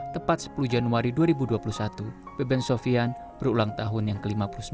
tepat sepuluh januari dua ribu dua puluh satu beben sofian berulang tahun yang ke lima puluh sembilan